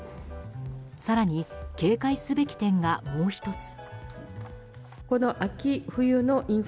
更に警戒すべき点が、もう１つ。